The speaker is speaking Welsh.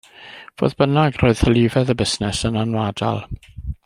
Fodd bynnag roedd hylifedd y busnes yn anwadal.